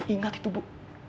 ingat itu bu